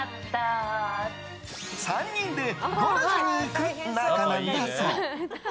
３人でゴルフに行く仲なんだそうです。